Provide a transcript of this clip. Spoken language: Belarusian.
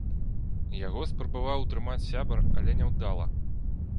Яго спрабаваў утрымаць сябар, але няўдала.